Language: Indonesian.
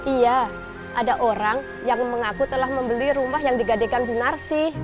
iya ada orang yang mengaku telah membeli rumah yang digadekan bu narsih